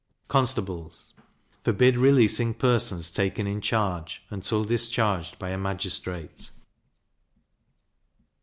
Constables forbid releasing persons taken in charge, until discharged by a magistrate.